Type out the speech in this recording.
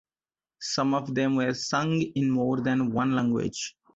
Some of them were sung in more than one language.